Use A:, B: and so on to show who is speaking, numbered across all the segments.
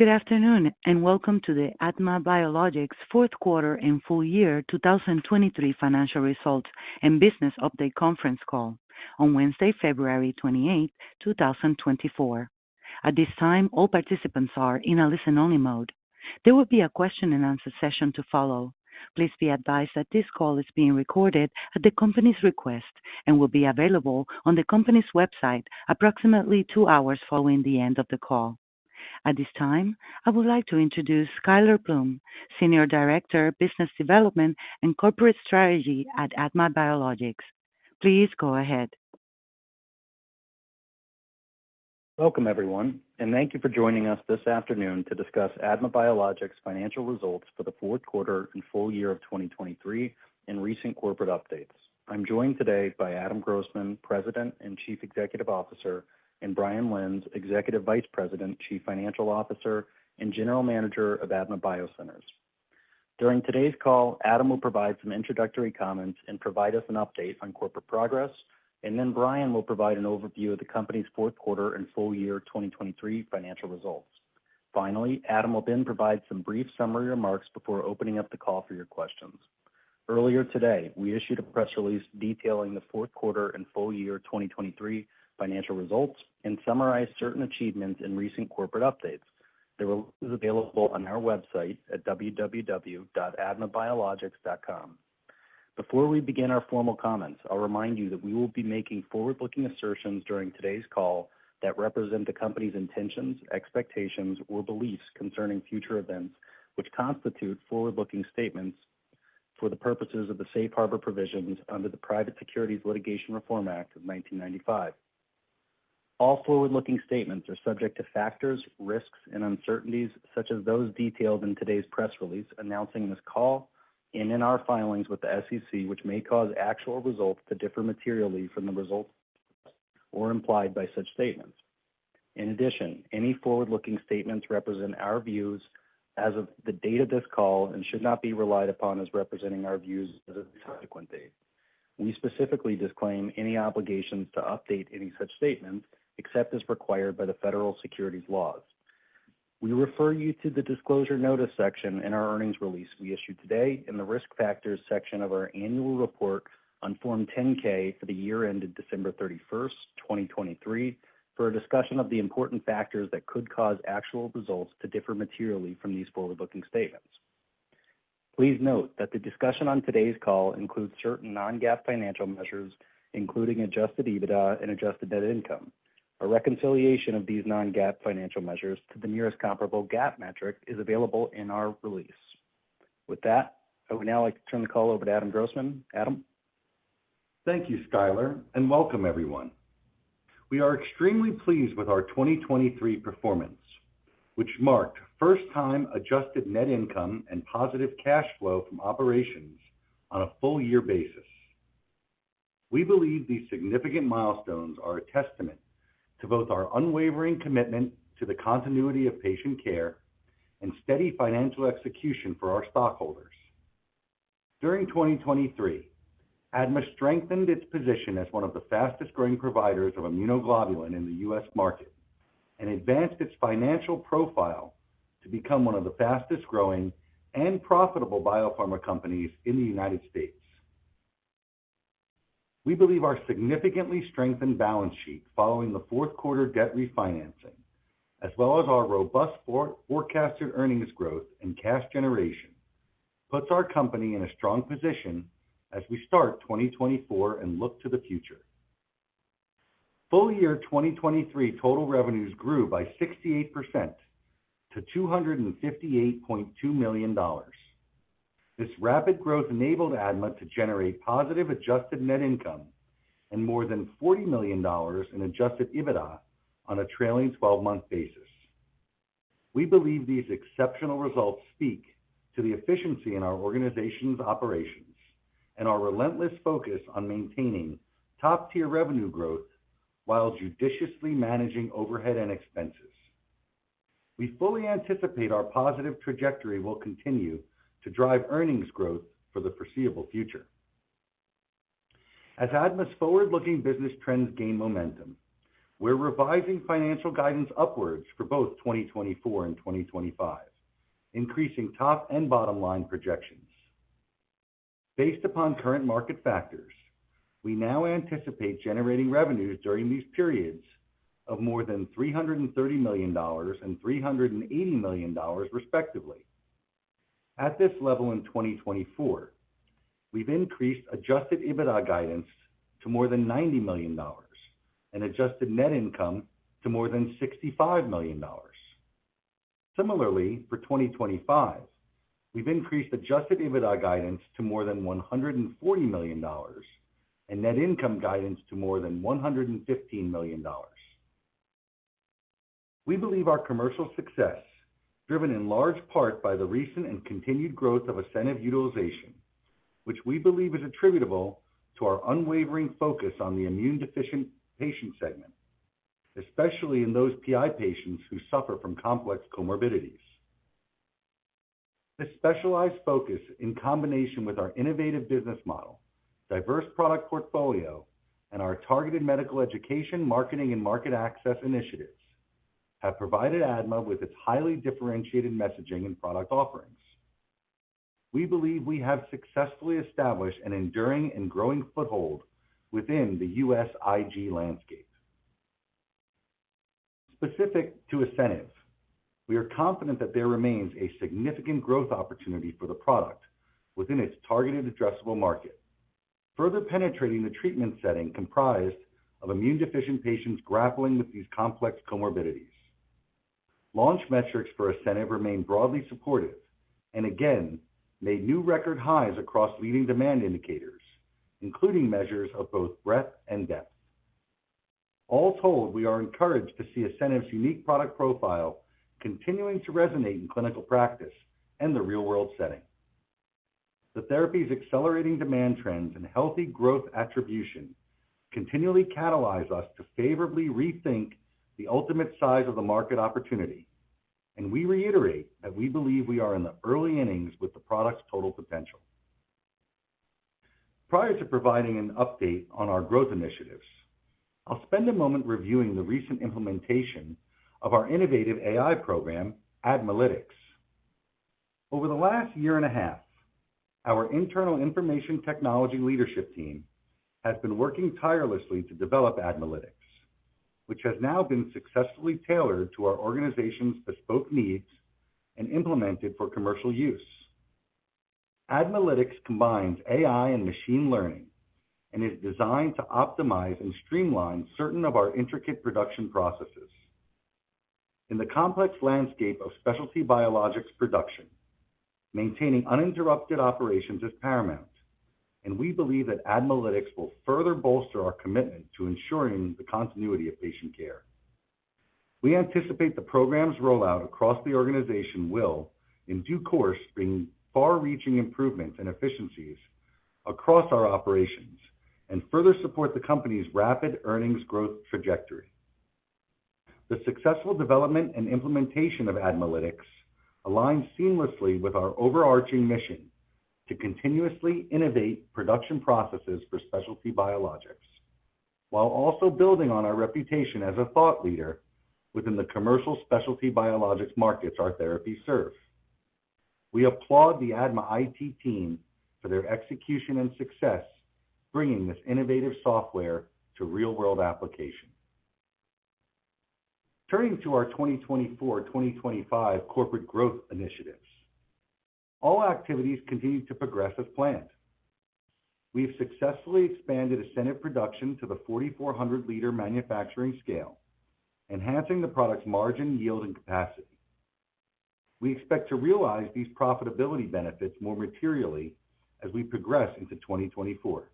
A: Good afternoon and welcome to the ADMA Biologics fourth quarter and full year 2023 financial results and business update conference call on Wednesday, February 28, 2024. At this time, all participants are in a listen-only mode. There will be a question-and-answer session to follow. Please be advised that this call is being recorded at the company's request and will be available on the company's website approximately two hours following the end of the call. At this time, I would like to introduce Skyler Bloom, Senior Director, Business Development and Corporate Strategy at ADMA Biologics. Please go ahead.
B: Welcome, everyone, and thank you for joining us this afternoon to discuss ADMA Biologics' financial results for the fourth quarter and full year of 2023 and recent corporate updates. I'm joined today by Adam Grossman, President and Chief Executive Officer, and Brian Lenz, Executive Vice President, Chief Financial Officer, and General Manager of ADMA BioCenters. During today's call, Adam will provide some introductory comments and provide us an update on corporate progress, and then Brian will provide an overview of the company's fourth quarter and full year 2023 financial results. Finally, Adam will then provide some brief summary remarks before opening up the call for your questions. Earlier today, we issued a press release detailing the fourth quarter and full year 2023 financial results and summarized certain achievements in recent corporate updates. The release is available on our website at www.admabiologics.com. Before we begin our formal comments, I'll remind you that we will be making forward-looking assertions during today's call that represent the company's intentions, expectations, or beliefs concerning future events, which constitute forward-looking statements for the purposes of the Safe Harbor provisions under the Private Securities Litigation Reform Act of 1995. All forward-looking statements are subject to factors, risks, and uncertainties such as those detailed in today's press release announcing this call and in our filings with the SEC, which may cause actual results to differ materially from the results or implied by such statements. In addition, any forward-looking statements represent our views as of the date of this call and should not be relied upon as representing our views as of the subsequent date. We specifically disclaim any obligations to update any such statements except as required by the federal securities laws. We refer you to the disclosure notice section in our earnings release we issued today in the risk factors section of our annual report on Form 10-K for the year ended December 31, 2023, for a discussion of the important factors that could cause actual results to differ materially from these forward-looking statements. Please note that the discussion on today's call includes certain non-GAAP financial measures, including Adjusted EBITDA and Adjusted Net Income. A reconciliation of these non-GAAP financial measures to the nearest comparable GAAP metric is available in our release. With that, I would now like to turn the call over to Adam Grossman. Adam?
C: Thank you, Skyler, and welcome, everyone. We are extremely pleased with our 2023 performance, which marked first-time Adjusted Net Income and positive cash flow from operations on a full-year basis. We believe these significant milestones are a testament to both our unwavering commitment to the continuity of patient care and steady financial execution for our stockholders. During 2023, ADMA strengthened its position as one of the fastest-growing providers of immunoglobulin in the U.S. market and advanced its financial profile to become one of the fastest-growing and profitable biopharma companies in the United States. We believe our significantly strengthened balance sheet following the fourth quarter debt refinancing, as well as our robust forecasted earnings growth and cash generation, puts our company in a strong position as we start 2024 and look to the future. Full year 2023 total revenues grew by 68% to $258.2 million. This rapid growth enabled ADMA to generate positive Adjusted Net Income and more than $40 million in Adjusted EBITDA on a trailing 12-month basis. We believe these exceptional results speak to the efficiency in our organization's operations and our relentless focus on maintaining top-tier revenue growth while judiciously managing overhead and expenses. We fully anticipate our positive trajectory will continue to drive earnings growth for the foreseeable future. As ADMA's forward-looking business trends gain momentum, we're revising financial guidance upwards for both 2024 and 2025, increasing top and bottom line projections. Based upon current market factors, we now anticipate generating revenues during these periods of more than $330 million and $380 million, respectively. At this level in 2024, we've increased Adjusted EBITDA guidance to more than $90 million and Adjusted Net Income to more than $65 million. Similarly, for 2025, we've increased Adjusted EBITDA guidance to more than $140 million and net income guidance to more than $115 million. We believe our commercial success is driven in large part by the recent and continued growth of ASCENIV utilization, which we believe is attributable to our unwavering focus on the immune-deficient patient segment, especially in those PI patients who suffer from complex comorbidities. This specialized focus, in combination with our innovative business model, diverse product portfolio, and our targeted medical education, marketing, and market access initiatives, have provided ADMA with its highly differentiated messaging and product offerings. We believe we have successfully established an enduring and growing foothold within the U.S. Ig landscape. Specific to ASCENIV, we are confident that there remains a significant growth opportunity for the product within its targeted addressable market, further penetrating the treatment setting comprised of immune-deficient patients grappling with these complex comorbidities. Launch metrics for ASCENIV's remain broadly supportive and, again, made new record highs across leading demand indicators, including measures of both breadth and depth. All told, we are encouraged to see ASCENIV's unique product profile continuing to resonate in clinical practice and the real-world setting. The therapy's accelerating demand trends and healthy growth attribution continually catalyze us to favorably rethink the ultimate size of the market opportunity, and we reiterate that we believe we are in the early innings with the product's total potential. Prior to providing an update on our growth initiatives, I'll spend a moment reviewing the recent implementation of our innovative AI program, ADMAlytics. Over the last year and a half, our internal information technology leadership team has been working tirelessly to develop ADMAlytics, which has now been successfully tailored to our organization's bespoke needs and implemented for commercial use. ADMAlytics combines AI and machine learning and is designed to optimize and streamline certain of our intricate production processes. In the complex landscape of specialty biologics production, maintaining uninterrupted operations is paramount, and we believe that ADMAlytics will further bolster our commitment to ensuring the continuity of patient care. We anticipate the program's rollout across the organization will, in due course, bring far-reaching improvements and efficiencies across our operations and further support the company's rapid earnings growth trajectory. The successful development and implementation of ADMAlytics aligns seamlessly with our overarching mission to continuously innovate production processes for specialty biologics, while also building on our reputation as a thought leader within the commercial specialty biologics markets our therapies serve. We applaud the ADMA IT team for their execution and success bringing this innovative software to real-world application. Turning to our 2024-2025 corporate growth initiatives, all activities continue to progress as planned. We've successfully expanded ASCENIV production to the 4,400 L manufacturing scale, enhancing the product's margin, yield, and capacity. We expect to realize these profitability benefits more materially as we progress into 2024.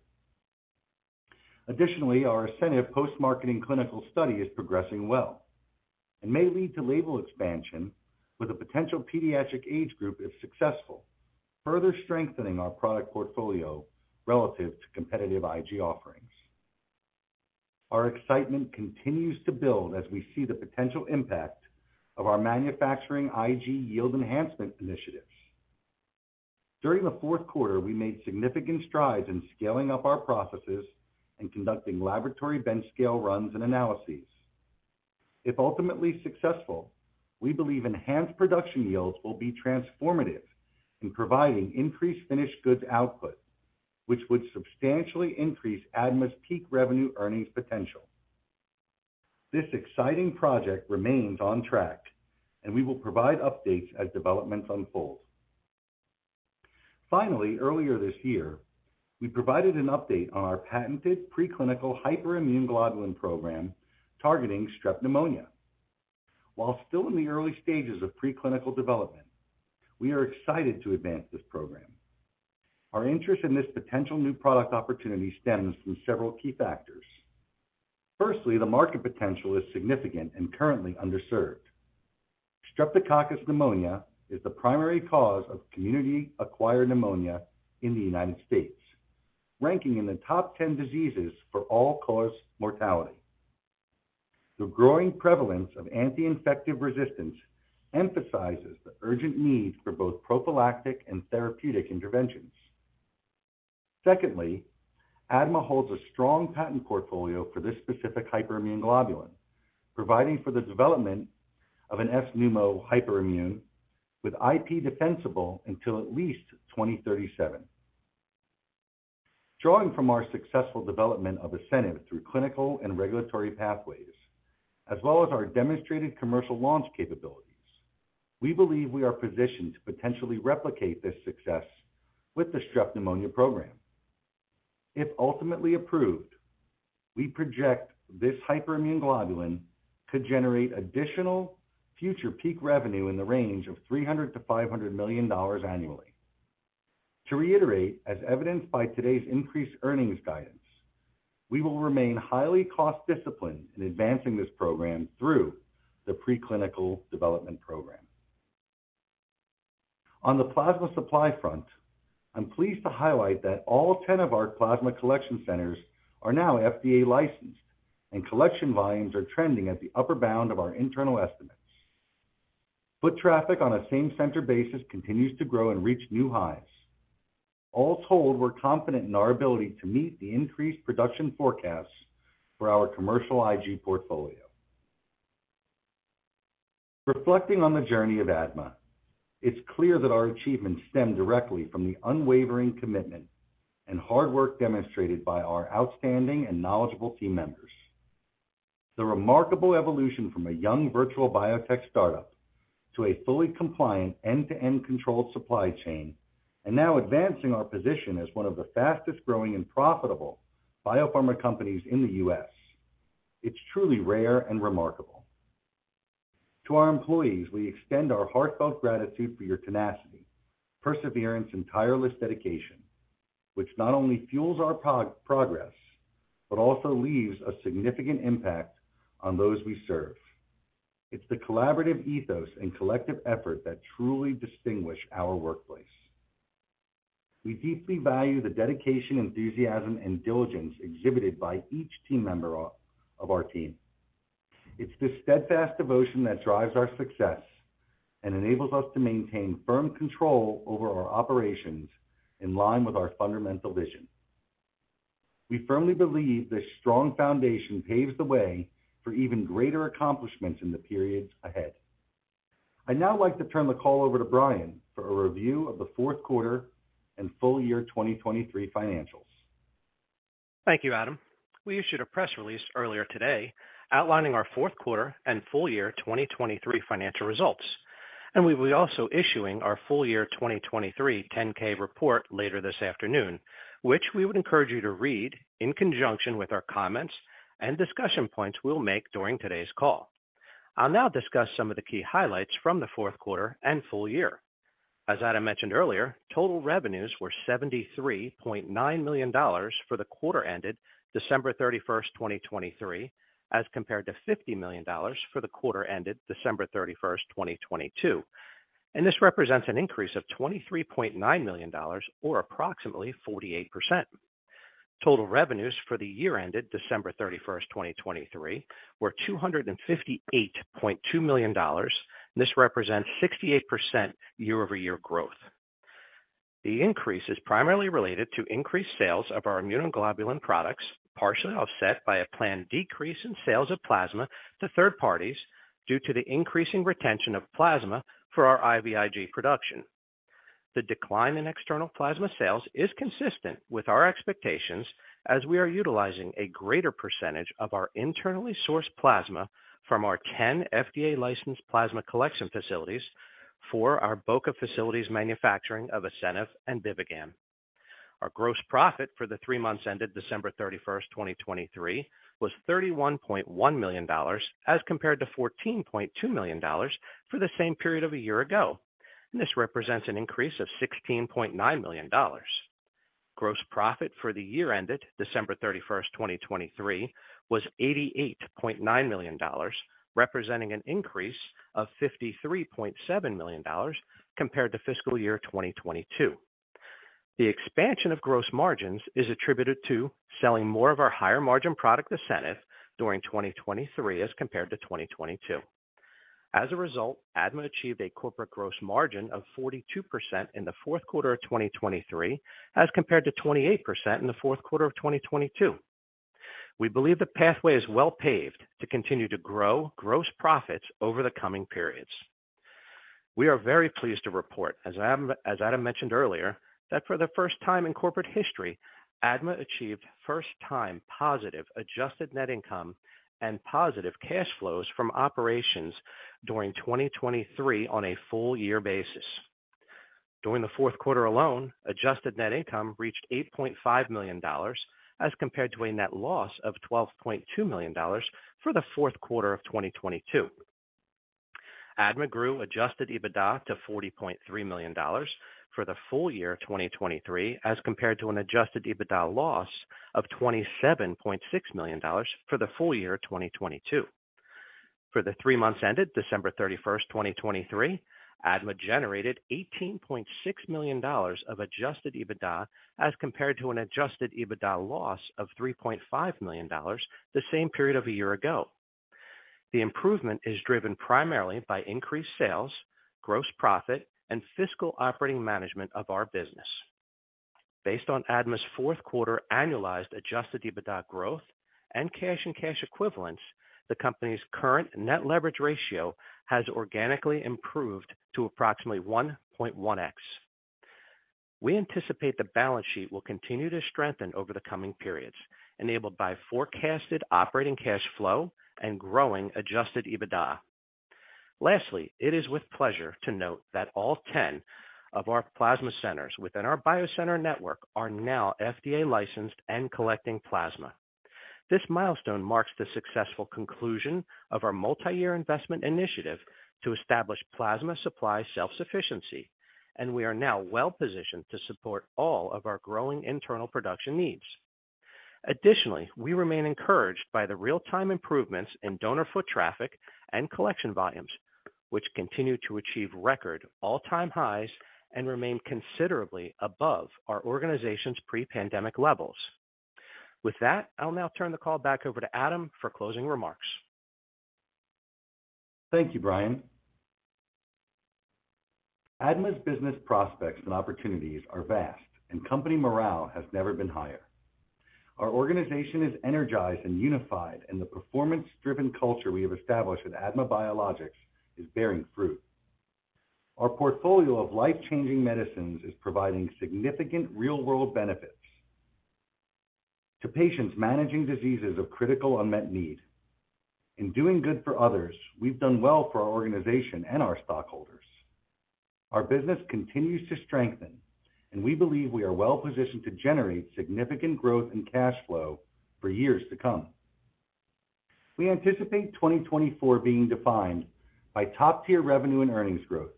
C: Additionally, our ASCENIV post-marketing clinical study is progressing well and may lead to label expansion with a potential pediatric age group if successful, further strengthening our product portfolio relative to competitive Ig offerings. Our excitement continues to build as we see the potential impact of our manufacturing Ig yield enhancement initiatives. During the fourth quarter, we made significant strides in scaling up our processes and conducting laboratory bench-scale runs and analyses. If ultimately successful, we believe enhanced production yields will be transformative in providing increased finished goods output, which would substantially increase ADMA's peak revenue earnings potential. This exciting project remains on track, and we will provide updates as developments unfold. Finally, earlier this year, we provided an update on our patented preclinical hyperimmune globulin program targeting strep pneumonia. While still in the early stages of preclinical development, we are excited to advance this program. Our interest in this potential new product opportunity stems from several key factors. Firstly, the market potential is significant and currently underserved. Streptococcus pneumoniae is the primary cause of community-acquired pneumonia in the United States, ranking in the top 10 diseases for all-cause mortality. The growing prevalence of anti-infective resistance emphasizes the urgent need for both prophylactic and therapeutic interventions. Secondly, ADMA holds a strong patent portfolio for this specific hyperimmune globulin, providing for the development of an S. pneumo hyperimmune with IP defensible until at least 2037. Drawing from our successful development of ASCENIV through clinical and regulatory pathways, as well as our demonstrated commercial launch capabilities, we believe we are positioned to potentially replicate this success with the strep pneumonia program. If ultimately approved, we project this hyperimmune globulin could generate additional future peak revenue in the range of $300 million-$500 million annually. To reiterate, as evidenced by today's increased earnings guidance, we will remain highly cost-disciplined in advancing this program through the preclinical development program. On the plasma supply front, I'm pleased to highlight that all 10 of our plasma collection centers are now FDA licensed, and collection volumes are trending at the upper bound of our internal estimates. Foot traffic on a same-center basis continues to grow and reach new highs. All told, we're confident in our ability to meet the increased production forecasts for our commercial Ig portfolio. Reflecting on the journey of ADMA, it's clear that our achievements stem directly from the unwavering commitment and hard work demonstrated by our outstanding and knowledgeable team members. The remarkable evolution from a young virtual biotech startup to a fully compliant end-to-end controlled supply chain and now advancing our position as one of the fastest-growing and profitable biopharma companies in the U.S. It's truly rare and remarkable. To our employees, we extend our heartfelt gratitude for your tenacity, perseverance, and tireless dedication, which not only fuels our progress but also leaves a significant impact on those we serve. It's the collaborative ethos and collective effort that truly distinguish our workplace. We deeply value the dedication, enthusiasm, and diligence exhibited by each team member of our team. It's this steadfast devotion that drives our success and enables us to maintain firm control over our operations in line with our fundamental vision. We firmly believe this strong foundation paves the way for even greater accomplishments in the periods ahead. I'd now like to turn the call over to Brian for a review of the fourth quarter and full year 2023 financials.
D: Thank you, Adam. We issued a press release earlier today outlining our fourth quarter and full year 2023 financial results, and we will be also issuing our full year 2023 10-K report later this afternoon, which we would encourage you to read in conjunction with our comments and discussion points we'll make during today's call. I'll now discuss some of the key highlights from the fourth quarter and full year. As Adam mentioned earlier, total revenues were $73.9 million for the quarter ended December 31, 2023, as compared to $50 million for the quarter ended December 31, 2022, and this represents an increase of $23.9 million or approximately 48%. Total revenues for the year ended December 31, 2023, were $258.2 million, and this represents 68% year-over-year growth. The increase is primarily related to increased sales of our immunoglobulin products, partially offset by a planned decrease in sales of plasma to third parties due to the increasing retention of plasma for our IVIg production. The decline in external plasma sales is consistent with our expectations as we are utilizing a greater percentage of our internally sourced plasma from our 10 FDA-licensed plasma collection facilities for our Boca facilities manufacturing of ASCENIV and BIVIGAM. Our gross profit for the three months ended December 31, 2023, was $31.1 million as compared to $14.2 million for the same period of a year ago, and this represents an increase of $16.9 million. Gross profit for the year ended December 31, 2023, was $88.9 million, representing an increase of $53.7 million compared to fiscal year 2022. The expansion of gross margins is attributed to selling more of our higher-margin product ASCENIV during 2023 as compared to 2022. As a result, ADMA achieved a corporate gross margin of 42% in the fourth quarter of 2023 as compared to 28% in the fourth quarter of 2022. We believe the pathway is well-paved to continue to grow gross profits over the coming periods. We are very pleased to report, as Adam mentioned earlier, that for the first time in corporate history, ADMA achieved first-time positive Adjusted Net Income and positive cash flows from operations during 2023 on a full-year basis. During the fourth quarter alone, Adjusted Net Income reached $8.5 million as compared to a net loss of $12.2 million for the fourth quarter of 2022. ADMA grew Adjusted EBITDA to $40.3 million for the full year 2023 as compared to an Adjusted EBITDA loss of $27.6 million for the full year 2022. For the three months ended December 31, 2023, ADMA generated $18.6 million of Adjusted EBITDA as compared to an Adjusted EBITDA loss of $3.5 million, the same period of a year ago. The improvement is driven primarily by increased sales, gross profit, and fiscal operating management of our business. Based on ADMA's fourth quarter annualized Adjusted EBITDA growth and cash and cash equivalents, the company's current net leverage ratio has organically improved to approximately 1.1x. We anticipate the balance sheet will continue to strengthen over the coming periods, enabled by forecasted operating cash flow and growing Adjusted EBITDA. Lastly, it is with pleasure to note that all 10 of our plasma centers within our BioCenters network are now FDA-licensed and collecting plasma. This milestone marks the successful conclusion of our multi-year investment initiative to establish plasma supply self-sufficiency, and we are now well-positioned to support all of our growing internal production needs. Additionally, we remain encouraged by the real-time improvements in donor foot traffic and collection volumes, which continue to achieve record all-time highs and remain considerably above our organization's pre-pandemic levels. With that, I'll now turn the call back over to Adam for closing remarks.
C: Thank you, Brian. ADMA's business prospects and opportunities are vast, and company morale has never been higher. Our organization is energized and unified, and the performance-driven culture we have established with ADMA Biologics is bearing fruit. Our portfolio of life-changing medicines is providing significant real-world benefits to patients managing diseases of critical unmet need. In doing good for others, we've done well for our organization and our stockholders. Our business continues to strengthen, and we believe we are well-positioned to generate significant growth in cash flow for years to come. We anticipate 2024 being defined by top-tier revenue and earnings growth,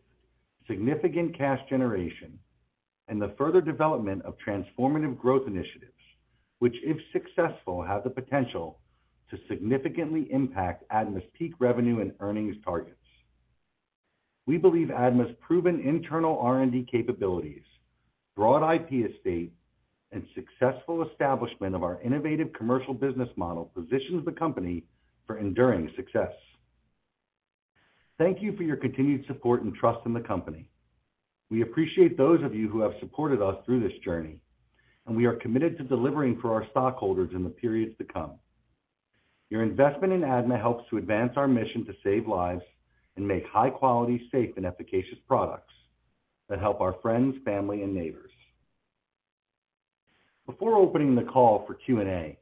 C: significant cash generation, and the further development of transformative growth initiatives, which, if successful, have the potential to significantly impact ADMA's peak revenue and earnings targets. We believe ADMA's proven internal R&D capabilities, broad IP estate, and successful establishment of our innovative commercial business model positions the company for enduring success. Thank you for your continued support and trust in the company. We appreciate those of you who have supported us through this journey, and we are committed to delivering for our stockholders in the periods to come. Your investment in ADMA helps to advance our mission to save lives and make high-quality, safe, and efficacious products that help our friends, family, and neighbors. Before opening the call for Q&A,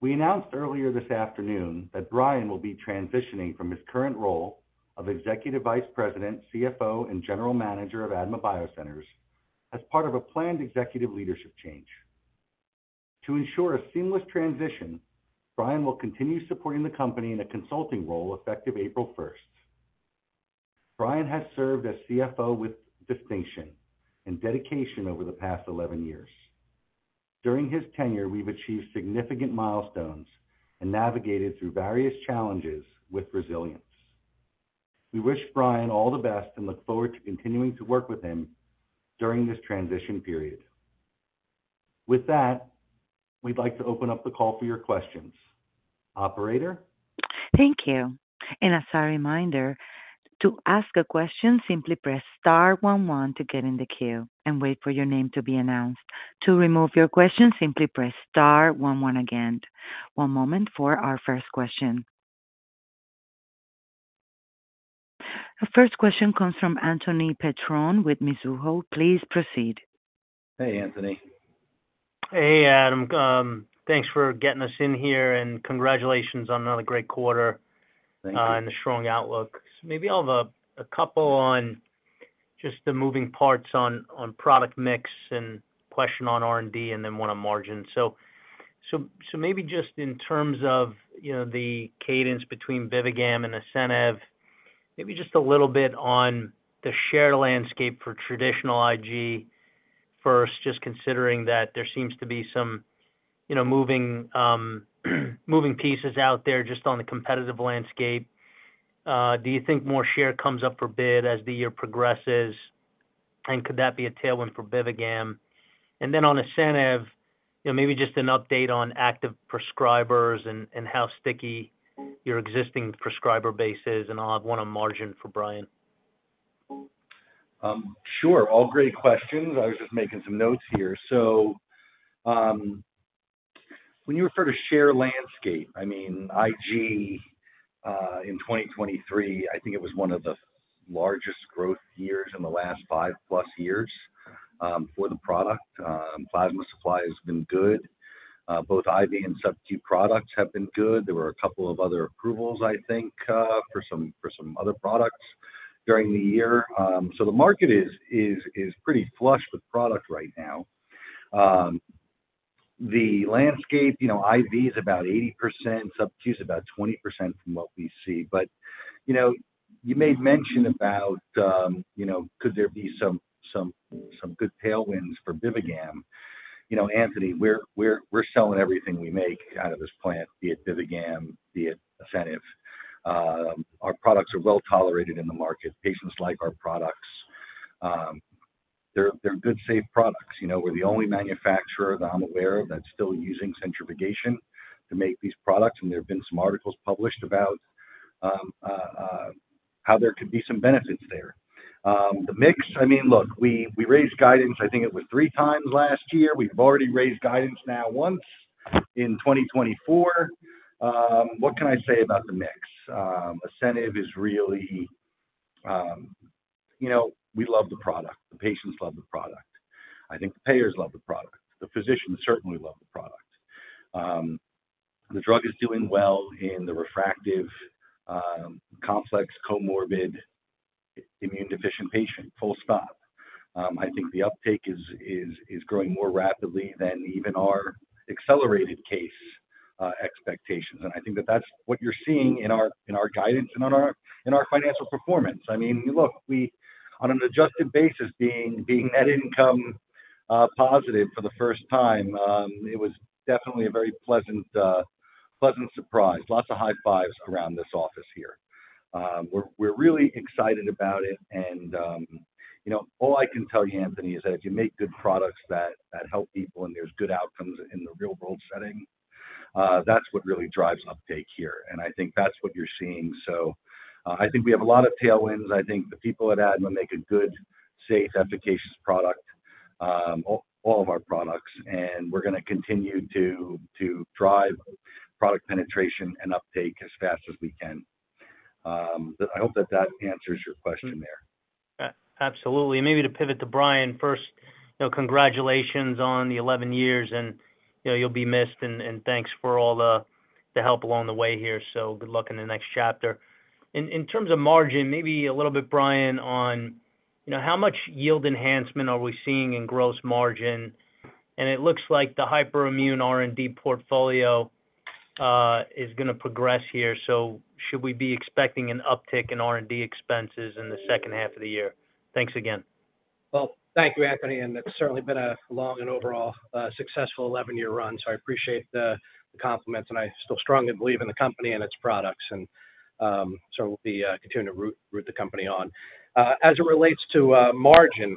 C: we announced earlier this afternoon that Brian will be transitioning from his current role of Executive Vice President, CFO, and General Manager of ADMA BioCenters as part of a planned executive leadership change. To ensure a seamless transition, Brian will continue supporting the company in a consulting role effective April 1st. Brian has served as CFO with distinction and dedication over the past 11 years. During his tenure, we've achieved significant milestones and navigated through various challenges with resilience. We wish Brian all the best and look forward to continuing to work with him during this transition period. With that, we'd like to open up the call for your questions. Operator?
A: Thank you. And as a reminder, to ask a question, simply press star one one to get in the queue and wait for your name to be announced. To remove your question, simply press star one one again. One moment for our first question. The first question comes from Anthony Petrone with Mizuho. Please proceed.
C: Hey, Anthony.
E: Hey, Adam. Thanks for getting us in here, and congratulations on another great quarter and a strong outlook. Maybe I'll have a couple on just the moving parts on product mix and question on R&D and then one on margins. So maybe just in terms of the cadence between BIVIGAM and ASCENIV, maybe just a little bit on the share landscape for traditional Ig first, just considering that there seems to be some moving pieces out there just on the competitive landscape. Do you think more share comes up for bid as the year progresses, and could that be a tailwind for BIVIGAM? Then on ASCENIV, maybe just an update on active prescribers and how sticky your existing prescriber base is, and I'll have one on margin for Brian.
C: Sure. All great questions. I was just making some notes here. So when you refer to share landscape, I mean, Ig in 2023, I think it was one of the largest growth years in the last 5+ years for the product. Plasma supply has been good. Both IV and subcu products have been good. There were a couple of other approvals, I think, for some other products during the year. So the market is pretty flush with product right now. The landscape, IV is about 80%, subcu is about 20% from what we see. But you made mention about could there be some good tailwinds for BIVIGAM. Anthony, we're selling everything we make out of this plant, be it BIVIGAM, be it ASCENIV. Our products are well-tolerated in the market. Patients like our products. They're good, safe products. We're the only manufacturer that I'm aware of that's still using centrifugation to make these products, and there have been some articles published about how there could be some benefits there. The mix, I mean, look, we raised guidance. I think it was 3x last year. We've already raised guidance now once in 2024. What can I say about the mix? ASCENIV is really we love the product. The patients love the product. I think the payers love the product. The physicians certainly love the product. The drug is doing well in the refractory, complex, comorbid, immune-deficient patient. Full stop. I think the uptake is growing more rapidly than even our accelerated case expectations, and I think that that's what you're seeing in our guidance and on our financial performance. I mean, look, on an adjusted basis, being net income positive for the first time, it was definitely a very pleasant surprise. Lots of high fives around this office here. We're really excited about it, and all I can tell you, Anthony, is that if you make good products that help people and there's good outcomes in the real-world setting, that's what really drives uptake here, and I think that's what you're seeing. So I think we have a lot of tailwinds. I think the people at ADMA make a good, safe, efficacious product, all of our products, and we're going to continue to drive product penetration and uptake as fast as we can. I hope that that answers your question there.
E: Absolutely. And maybe to pivot to Brian first, congratulations on the 11 years, and you'll be missed, and thanks for all the help along the way here. So good luck in the next chapter. In terms of margin, maybe a little bit, Brian, on how much yield enhancement are we seeing in gross margin? And it looks like the hyperimmune R&D portfolio is going to progress here, so should we be expecting an uptick in R&D expenses in the second half of the year? Thanks again.
D: Well, thank you, Anthony. It's certainly been a long and overall successful 11-year run, so I appreciate the compliments, and I still strongly believe in the company and its products, and so we'll be continuing to root the company on. As it relates to margin,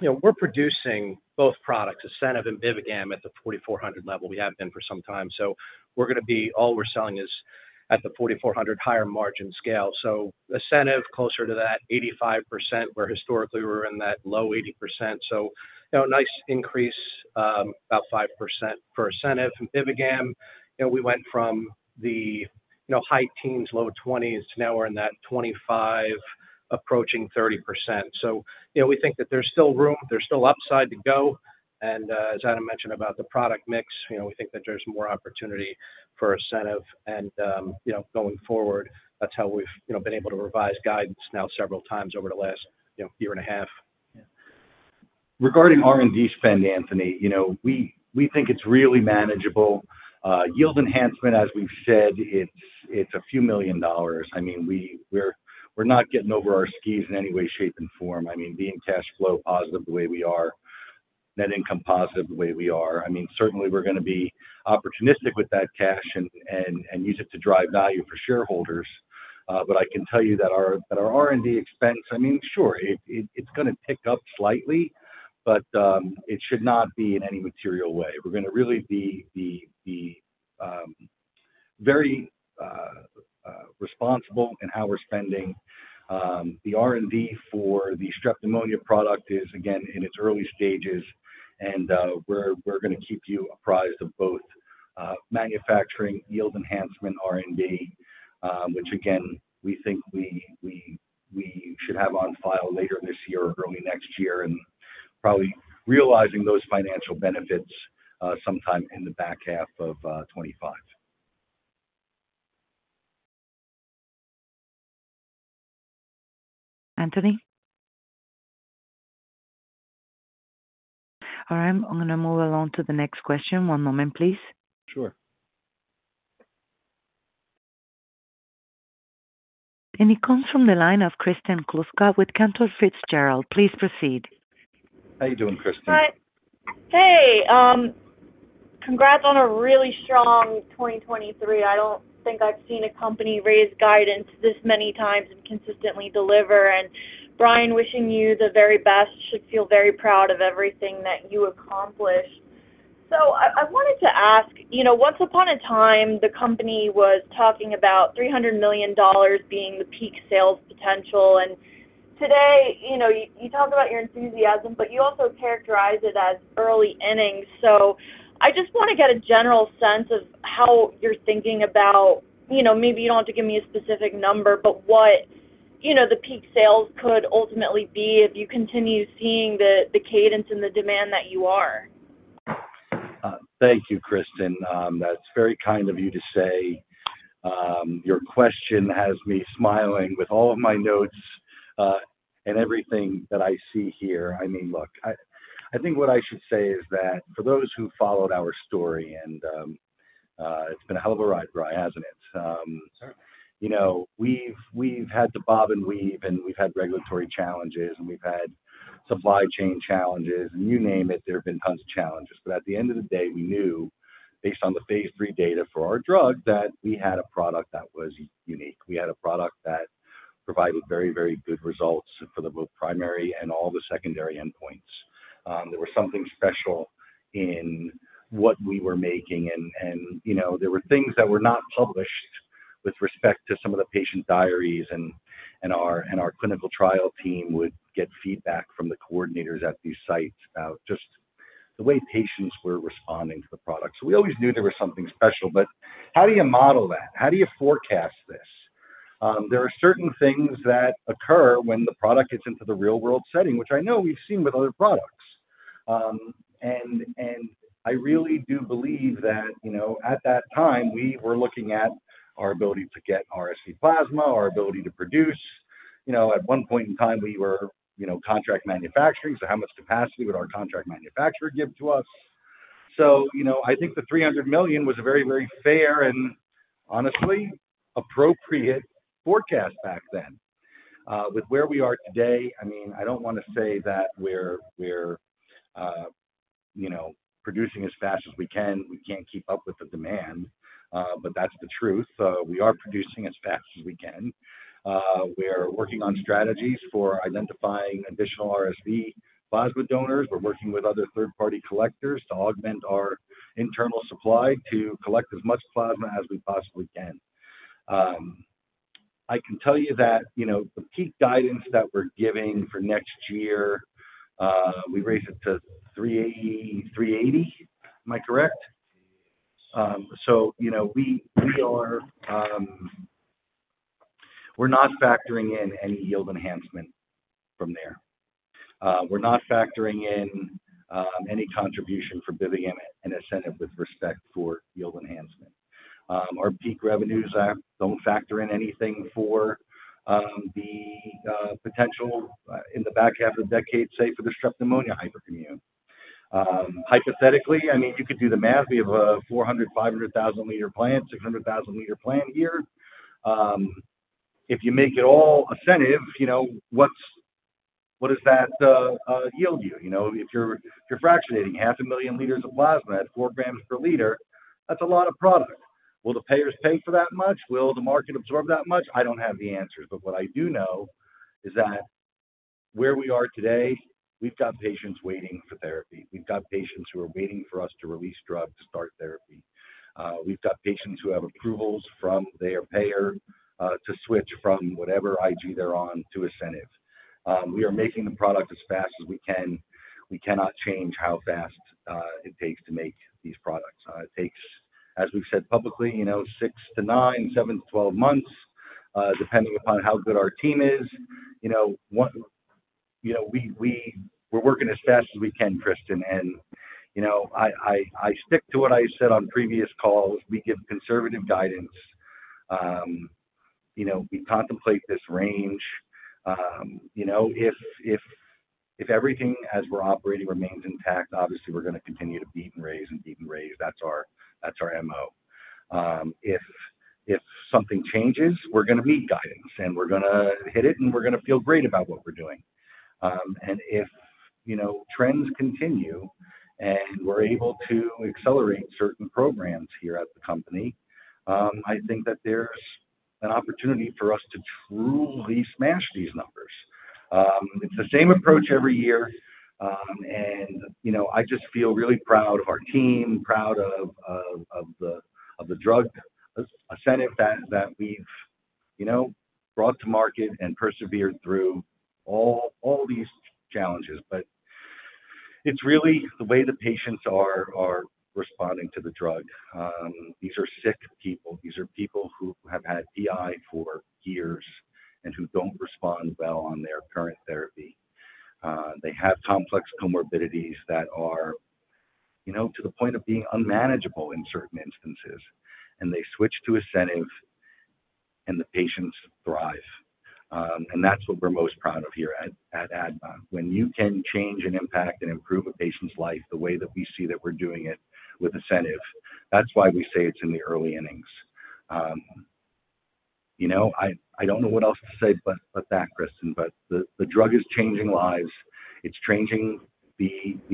D: we're producing both products, ASCENIV and BIVIGAM, at the 4,400 level. We have been for some time, so all we're selling is at the 4,400 higher margin scale. So ASCENIV, closer to that 85% where historically we were in that low 80%, so nice increase, about 5% for ASCENIV. And BIVIGAM, we went from the high teens, low 20s to now we're in that 25%, approaching 30%. So we think that there's still room. There's still upside to go. And as Adam mentioned about the product mix, we think that there's more opportunity for ASCENIV, and going forward, that's how we've been able to revise guidance now several times over the last year and a half.
C: Regarding R&D spend, Anthony, we think it's really manageable. Yield enhancement, as we've said, it's a few million dollars. I mean, we're not getting over our skis in any way, shape, and form. I mean, being cash flow positive the way we are, net income positive the way we are, I mean, certainly, we're going to be opportunistic with that cash and use it to drive value for shareholders. But I can tell you that our R&D expense I mean, sure, it's going to pick up slightly, but it should not be in any material way. We're going to really be very responsible in how we're spending. The R&D for the Streptococcus pneumoniae product is, again, in its early stages, and we're going to keep you apprised of both manufacturing, yield enhancement, R&D, which, again, we think we should have on file later this year or early next year and probably realizing those financial benefits sometime in the back half of 2025.
A: Anthony? All right. I'm going to move along to the next question. One moment, please.
C: Sure.
A: It comes from the line of Kristen Kluska with Cantor Fitzgerald. Please proceed.
C: How are you doing, Kristen?
F: Hey. Congrats on a really strong 2023. I don't think I've seen a company raise guidance this many times and consistently deliver, and Brian, wishing you the very best. Should feel very proud of everything that you accomplished. So I wanted to ask, once upon a time, the company was talking about $300 million being the peak sales potential, and today, you talk about your enthusiasm, but you also characterize it as early innings. So I just want to get a general sense of how you're thinking about maybe you don't have to give me a specific number, but what the peak sales could ultimately be if you continue seeing the cadence and the demand that you are.
C: Thank you, Kristen. That's very kind of you to say. Your question has me smiling. With all of my notes and everything that I see here, I mean, look, I think what I should say is that for those who followed our story and it's been a hell of a ride, Brian, hasn't it?
D: Sure.
C: We've had to bob and weave, and we've had regulatory challenges, and we've had supply chain challenges, and you name it, there have been tons of challenges. But at the end of the day, we knew, based on the phase III data for our drug, that we had a product that was unique. We had a product that provided very, very good results for the both primary and all the secondary endpoints. There was something special in what we were making, and there were things that were not published with respect to some of the patient diaries, and our clinical trial team would get feedback from the coordinators at these sites about just the way patients were responding to the product. So we always knew there was something special, but how do you model that? How do you forecast this? There are certain things that occur when the product gets into the real-world setting, which I know we've seen with other products, and I really do believe that at that time, we were looking at our ability to get RSV plasma, our ability to produce. At one point in time, we were contract manufacturing, so how much capacity would our contract manufacturer give to us? So I think the $300 million was a very, very fair and, honestly, appropriate forecast back then. With where we are today, I mean, I don't want to say that we're producing as fast as we can. We can't keep up with the demand, but that's the truth. We are producing as fast as we can. We're working on strategies for identifying additional RSV plasma donors. We're working with other third-party collectors to augment our internal supply to collect as much plasma as we possibly can. I can tell you that the peak guidance that we're giving for next year, we raised it to $380 million, am I correct? So we're not factoring in any yield enhancement from there. We're not factoring in any contribution for BIVIGAM and ASCENIV with respect for yield enhancement. Our peak revenues, I don't factor in anything for the potential in the back half of the decade, say, for the Streptococcus pneumoniae hyperimmune. Hypothetically, I mean, you could do the math. We have a 400,000 L-500,000 L plant, 600,000 L plant here. If you make it all ASCENIV, what does that yield you? If you're fractionating 500,000 L of plasma at 4 gpL, that's a lot of product. Will the payers pay for that much? Will the market absorb that much? I don't have the answers, but what I do know is that where we are today, we've got patients waiting for therapy. We've got patients who are waiting for us to release drug to start therapy. We've got patients who have approvals from their payer to switch from whatever Ig they're on to ASCENIV. We are making the product as fast as we can. We cannot change how fast it takes to make these products. It takes, as we've said publicly, 6-9, 7-12 months, depending upon how good our team is. We're working as fast as we can, Kristen, and I stick to what I said on previous calls. We give conservative guidance. We contemplate this range. If everything, as we're operating, remains intact, obviously, we're going to continue to beat and raise and beat and raise. That's our MO. If something changes, we're going to meet guidance, and we're going to hit it, and we're going to feel great about what we're doing. And if trends continue and we're able to accelerate certain programs here at the company, I think that there's an opportunity for us to truly smash these numbers. It's the same approach every year, and I just feel really proud of our team, proud of the drug, ASCENIV, that we've brought to market and persevered through all these challenges. But it's really the way the patients are responding to the drug. These are sick people. These are people who have had PI for years and who don't respond well on their current therapy. They have complex comorbidities that are to the point of being unmanageable in certain instances, and they switch to ASCENIV, and the patients thrive. That's what we're most proud of here at ADMA. When you can change and impact and improve a patient's life the way that we see that we're doing it with ASCENIV, that's why we say it's in the early innings. I don't know what else to say but that, Kristen, but the drug is changing lives. It's changing the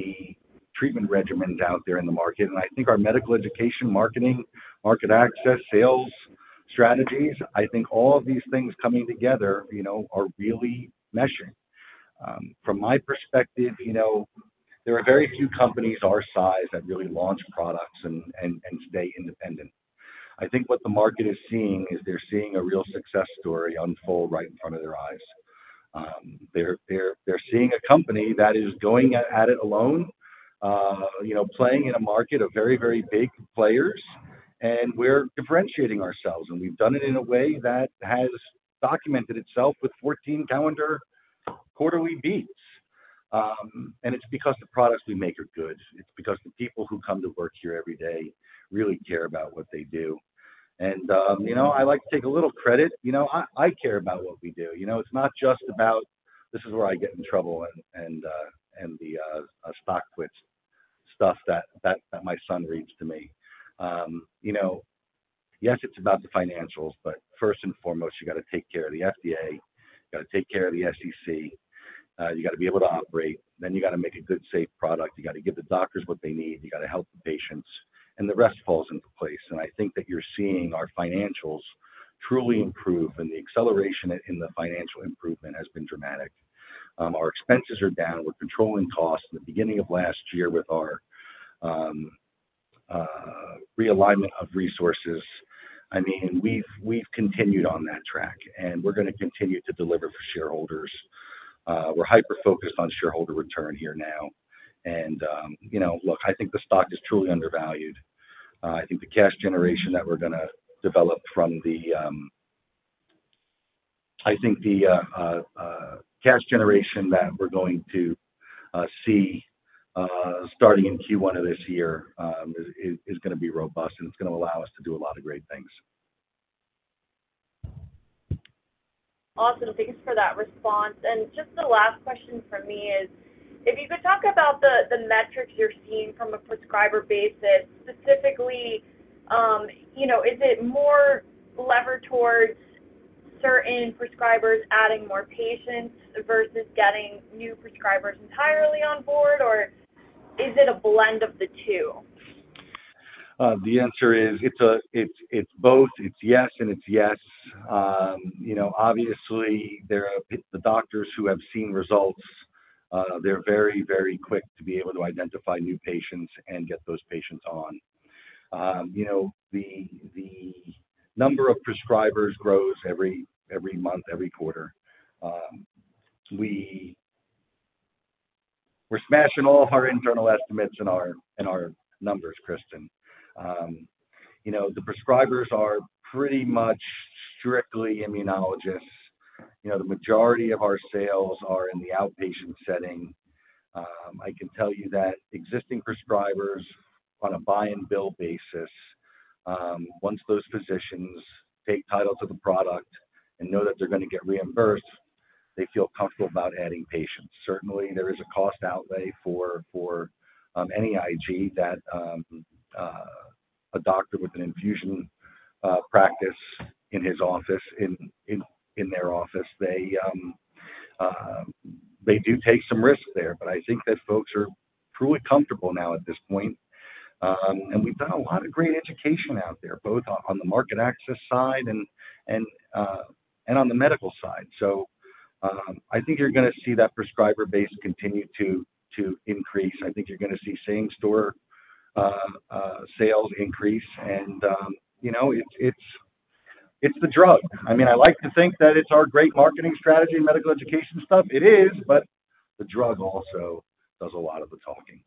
C: treatment regimens out there in the market, and I think our medical education, marketing, market access, sales strategies, I think all of these things coming together are really meshing. From my perspective, there are very few companies our size that really launch products and stay independent. I think what the market is seeing is they're seeing a real success story unfold right in front of their eyes. They're seeing a company that is going at it alone, playing in a market of very, very big players, and we're differentiating ourselves, and we've done it in a way that has documented itself with 14-calendar quarterly beats. It's because the products we make are good. It's because the people who come to work here every day really care about what they do. I like to take a little credit. I care about what we do. It's not just about, "This is where I get in trouble," and the stock quits stuff that my son reads to me. Yes, it's about the financials, but first and foremost, you got to take care of the FDA. You got to take care of the SEC. You got to be able to operate. Then you got to make a good, safe product. You got to give the doctors what they need. You got to help the patients, and the rest falls into place. And I think that you're seeing our financials truly improve, and the acceleration in the financial improvement has been dramatic. Our expenses are down. We're controlling costs. In the beginning of last year, with our realignment of resources, I mean, we've continued on that track, and we're going to continue to deliver for shareholders. We're hyper-focused on shareholder return here now. And look, I think the stock is truly undervalued. I think the cash generation that we're going to see starting in Q1 of this year is going to be robust, and it's going to allow us to do a lot of great things.
F: Awesome. Thanks for that response. Just the last question from me is, if you could talk about the metrics you're seeing from a prescriber basis, specifically, is it more leaning towards certain prescribers adding more patients versus getting new prescribers entirely on board, or is it a blend of the two?
C: The answer is it's both. It's yes, and it's yes. Obviously, the doctors who have seen results, they're very, very quick to be able to identify new patients and get those patients on. The number of prescribers grows every month, every quarter. We're smashing all of our internal estimates and our numbers, Kristen. The prescribers are pretty much strictly immunologists. The majority of our sales are in the outpatient setting. I can tell you that existing prescribers, on a buy-and-bill basis, once those physicians take title to the product and know that they're going to get reimbursed, they feel comfortable about adding patients. Certainly, there is a cost outlay for any Ig that a doctor with an infusion practice in his office, in their office, they do take some risk there, but I think that folks are truly comfortable now at this point. We've done a lot of great education out there, both on the market access side and on the medical side. I think you're going to see that prescriber base continue to increase. I think you're going to see same-store sales increase, and it's the drug. I mean, I like to think that it's our great marketing strategy, medical education stuff. It is, but the drug also does a lot of the talking.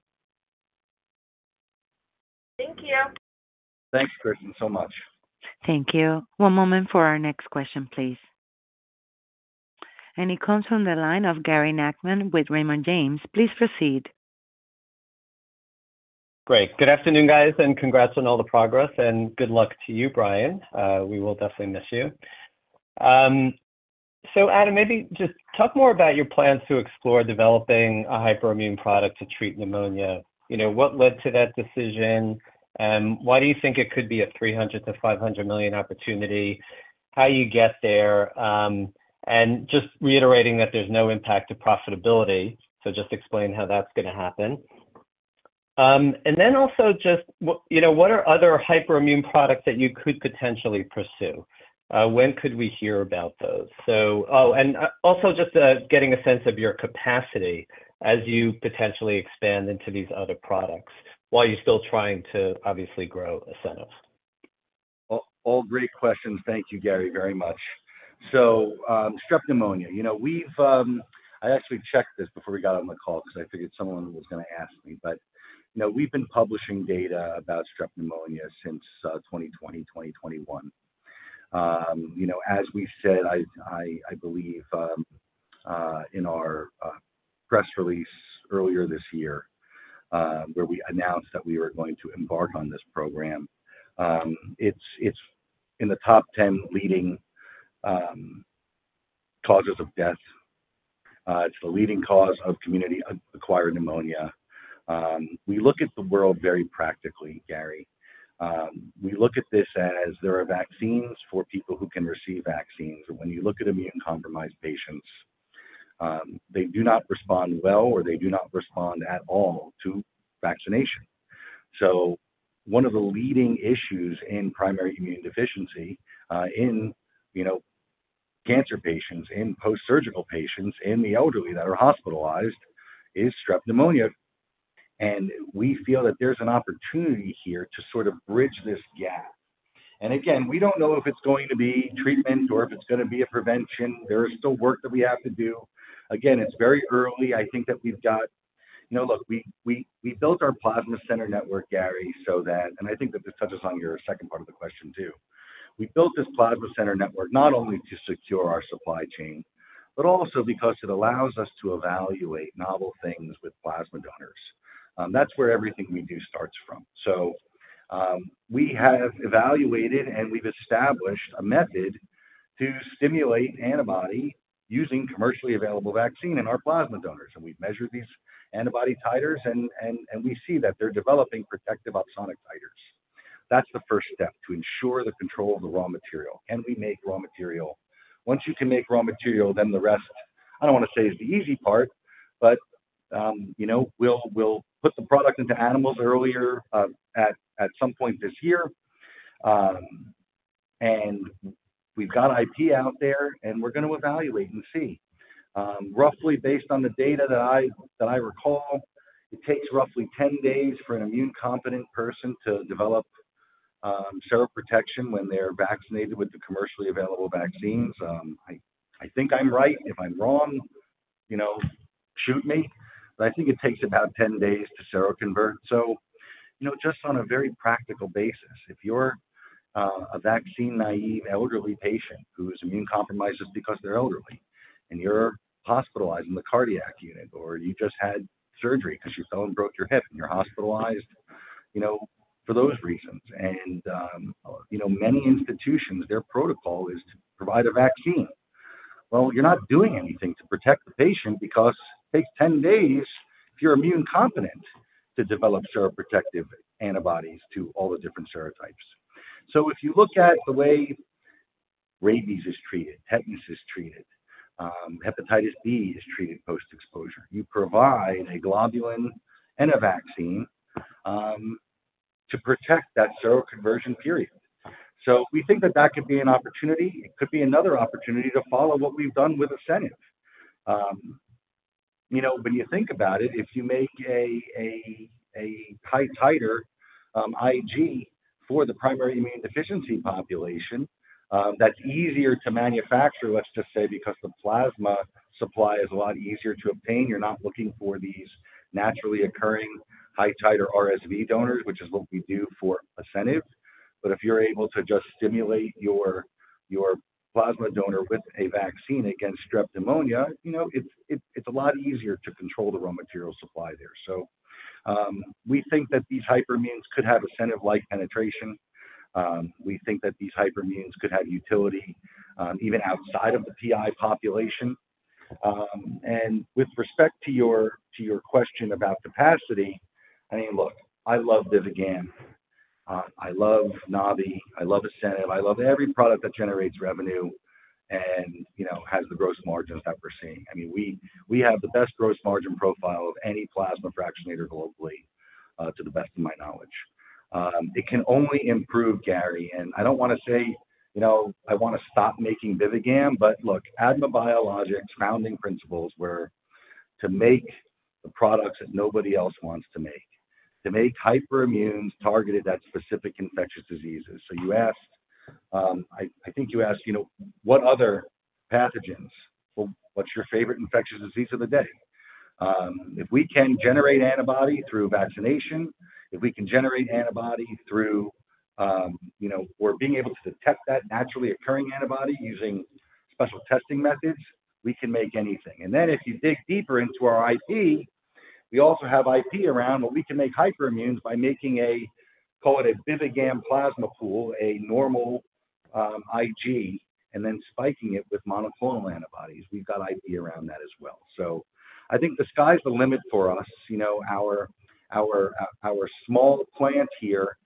F: Thank you.
C: Thanks, Kristen, so much.
A: Thank you. One moment for our next question, please. And it comes from the line of Gary Nachman with Raymond James. Please proceed.
G: Great. Good afternoon, guys, and congrats on all the progress, and good luck to you, Brian. We will definitely miss you. So Adam, maybe just talk more about your plans to explore developing a hyperimmune product to treat pneumonia. What led to that decision? Why do you think it could be a $300 million-$500 million opportunity? How you get there? And just reiterating that there's no impact to profitability, so just explain how that's going to happen. And then also just what are other hyperimmune products that you could potentially pursue? When could we hear about those? Oh, and also just getting a sense of your capacity as you potentially expand into these other products while you're still trying to, obviously, grow ASCENIV.
C: All great questions. Thank you, Gary, very much. So strep pneumonia, I actually checked this before we got on the call because I figured someone was going to ask me, but we've been publishing data about strep pneumonia since 2020, 2021. As we said, I believe in our press release earlier this year where we announced that we were going to embark on this program, it's in the top 10 leading causes of death. It's the leading cause of community-acquired pneumonia. We look at the world very practically, Gary. We look at this as there are vaccines for people who can receive vaccines, and when you look at immunocompromised patients, they do not respond well or they do not respond at all to vaccination. So one of the leading issues in primary immunodeficiency in cancer patients, in post-surgical patients, in the elderly that are hospitalized is strep pneumonia. And we feel that there's an opportunity here to sort of bridge this gap. And again, we don't know if it's going to be treatment or if it's going to be a prevention. There is still work that we have to do. Again, it's very early. I think that we've got look, we built our plasma center network, Gary, so that and I think that this touches on your second part of the question too. We built this plasma center network not only to secure our supply chain, but also because it allows us to evaluate novel things with plasma donors. That's where everything we do starts from. So we have evaluated, and we've established a method to stimulate antibody using commercially available vaccine in our plasma donors, and we've measured these antibody titers, and we see that they're developing protective opsonic titers. That's the first step to ensure the control of the raw material. Can we make raw material? Once you can make raw material, then the rest I don't want to say is the easy part, but we'll put the product into animals earlier at some point this year, and we've got IP out there, and we're going to evaluate and see. Roughly, based on the data that I recall, it takes roughly 10 days for an immune-competent person to develop seroprotection when they're vaccinated with the commercially available vaccines. I think I'm right. If I'm wrong, shoot me, but I think it takes about 10 days to seroconvert. So just on a very practical basis, if you're a vaccine-naive elderly patient whose immune compromise is because they're elderly, and you're hospitalized in the cardiac unit, or you just had surgery because you fell and broke your hip, and you're hospitalized for those reasons, and many institutions, their protocol is to provide a vaccine, well, you're not doing anything to protect the patient because it takes 10 days, if you're immune-competent, to develop seroprotective antibodies to all the different serotypes. So if you look at the way rabies is treated, tetanus is treated, hepatitis B is treated post-exposure, you provide a globulin and a vaccine to protect that seroconversion period. So we think that that could be an opportunity. It could be another opportunity to follow what we've done with ASCENIV. When you think about it, if you make a high-titer Ig for the primary immune deficiency population, that's easier to manufacture, let's just say, because the plasma supply is a lot easier to obtain. You're not looking for these naturally occurring high-titer RSV donors, which is what we do for ASCENIV. But if you're able to just stimulate your plasma donor with a vaccine against strep pneumonia, it's a lot easier to control the raw material supply there. So we think that these hyperimmunes could have ASCENIV-like penetration. We think that these hyperimmunes could have utility even outside of the PI population. With respect to your question about capacity, I mean, look, I love BIVIGAM. I love Nabi-HB. I love ASCENIV. I love every product that generates revenue and has the gross margins that we're seeing. I mean, we have the best gross margin profile of any plasma fractionator globally, to the best of my knowledge. It can only improve, Gary, and I don't want to say I want to stop making BIVIGAM, but look, ADMA Biologics' founding principles were to make the products that nobody else wants to make, to make hyperimmunes targeted at specific infectious diseases. So I think you asked, "What other pathogens? What's your favorite infectious disease of the day?" If we can generate antibody through vaccination, if we can generate antibody through or being able to detect that naturally occurring antibody using special testing methods, we can make anything. And then if you dig deeper into our IP, we also have IP around, well, we can make hyperimmunes by making a call it a BIVIGAM plasma pool, a normal Ig, and then spiking it with monoclonal antibodies. We've got IP around that as well. So I think the sky's the limit for us. Our small plant here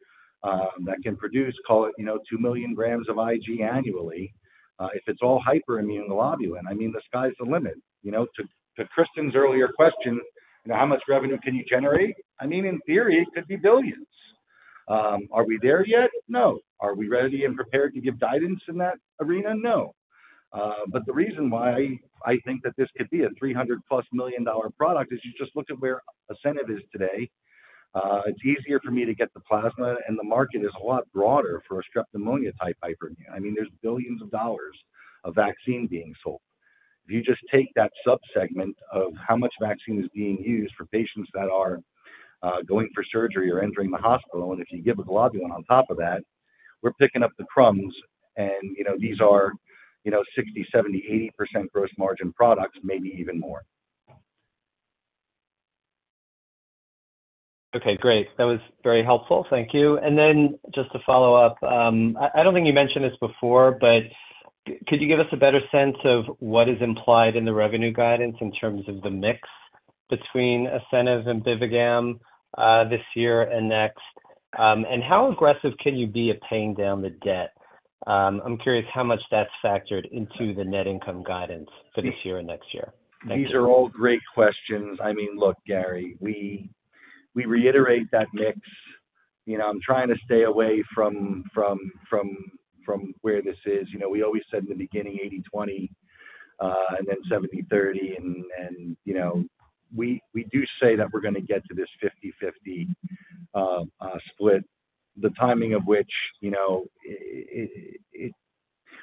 C: that can produce, call it, 2 million grams of Ig annually, if it's all hyperimmune globulin, I mean, the sky's the limit. To Kristen's earlier question, "How much revenue can you generate?" I mean, in theory, it could be billions. Are we there yet? No. Are we ready and prepared to give guidance in that arena? No. But the reason why I think that this could be a $300+ million-dollar product is you just look at where ASCENIV is today. It's easier for me to get the plasma, and the market is a lot broader for a strep pneumonia-type hyperimmune. I mean, there's billions of dollars of vaccine being sold. If you just take that subsegment of how much vaccine is being used for patients that are going for surgery or entering the hospital, and if you give a globulin on top of that, we're picking up the crumbs, and these are 60%, 70%, 80% gross margin products, maybe even more.
G: Okay. Great. That was very helpful. Thank you. And then just to follow up, I don't think you mentioned this before, but could you give us a better sense of what is implied in the revenue guidance in terms of the mix between ASCENIV and BIVIGAM this year and next? And how aggressive can you be at paying down the debt? I'm curious how much that's factored into the net income guidance for this year and next year. Thank you.
C: These are all great questions. I mean, look, Gary, we reiterate that mix. I'm trying to stay away from where this is. We always said in the beginning, 80/20, and then 70/30, and we do say that we're going to get to this 50/50 split, the timing of which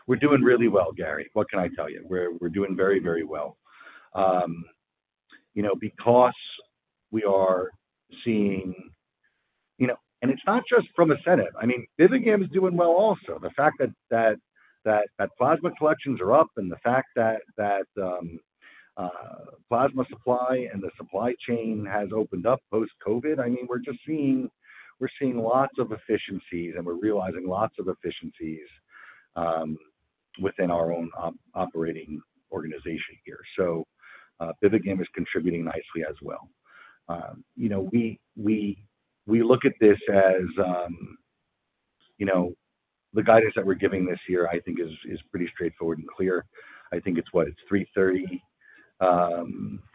C: we're doing really well, Gary. What can I tell you? We're doing very, very well because we are seeing and it's not just from ASCENIV. I mean, BIVIGAM is doing well also. The fact that plasma collections are up and the fact that plasma supply and the supply chain has opened up post-COVID, I mean, we're just seeing lots of efficiencies, and we're realizing lots of efficiencies within our own operating organization here. So BIVIGAM is contributing nicely as well. We look at this as the guidance that we're giving this year, I think, is pretty straightforward and clear. I think it's what? It's $330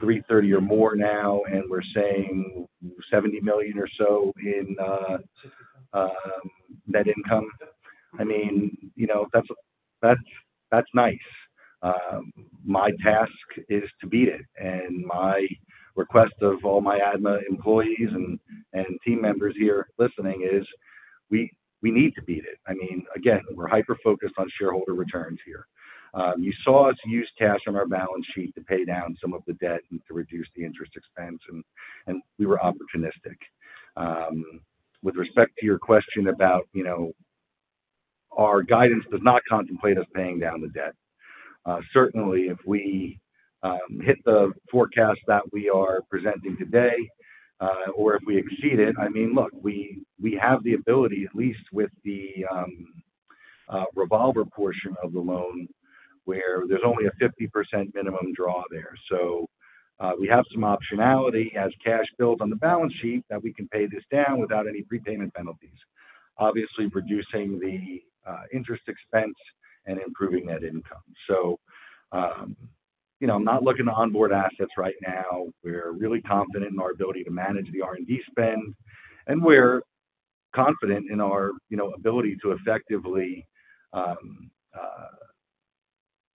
C: million or more now, and we're saying $70 million or so in net income. I mean, that's nice. My task is to beat it, and my request of all my ADMA employees and team members here listening is we need to beat it. I mean, again, we're hyper-focused on shareholder returns here. You saw us use cash from our balance sheet to pay down some of the debt and to reduce the interest expense, and we were opportunistic. With respect to your question about our guidance, does not contemplate us paying down the debt, certainly, if we hit the forecast that we are presenting today or if we exceed it, I mean, look, we have the ability, at least with the revolver portion of the loan where there's only a 50% minimum draw there. So we have some optionality as cash builds on the balance sheet that we can pay this down without any prepayment penalties, obviously, reducing the interest expense and improving net income. So I'm not looking to onboard assets right now. We're really confident in our ability to manage the R&D spend, and we're confident in our ability to effectively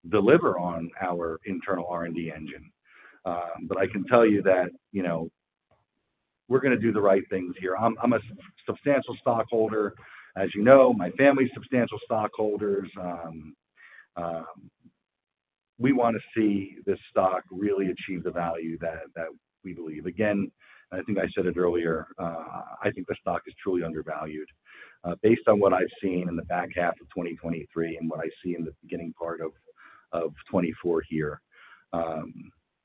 C: deliver on our internal R&D engine. But I can tell you that we're going to do the right things here. I'm a substantial stockholder. As you know, my family's substantial stockholders. We want to see this stock really achieve the value that we believe. Again, and I think I said it earlier, I think the stock is truly undervalued. Based on what I've seen in the back half of 2023 and what I see in the beginning part of 2024 here,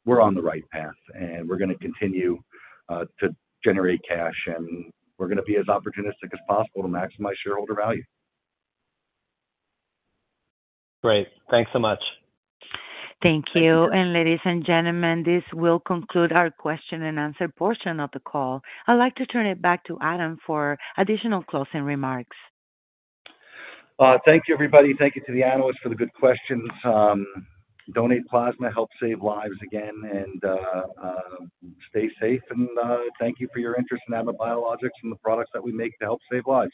C: we're on the right path, and we're going to continue to generate cash, and we're going to be as opportunistic as possible to maximize shareholder value.
G: Great. Thanks so much.
A: Thank you. And ladies and gentlemen, this will conclude our question-and-answer portion of the call. I'd like to turn it back to Adam for additional closing remarks.
C: Thank you, everybody. Thank you to the analysts for the good questions. Donate plasma, help save lives again, and stay safe. And thank you for your interest in ADMA Biologics and the products that we make to help save lives.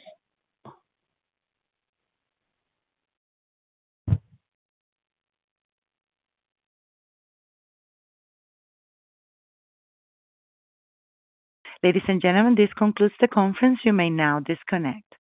A: Ladies and gentlemen, this concludes the conference. You may now disconnect.